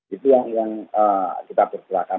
itu yang kita perkerakan